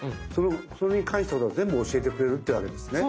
それに関して全部教えてくれるってわけですね。